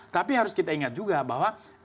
tapi harus kita ingat juga bahwa